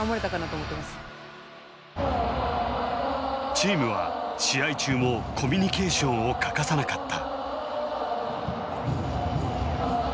チームは試合中もコミュニケーションを欠かさなかった。